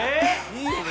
「いいよね。